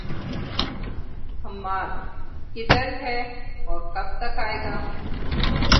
حماد، کدھر ہے اور کب تک آئے گا؟